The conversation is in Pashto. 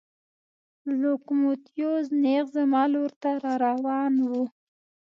لوکوموتیو نېغ زما لور ته را روان و.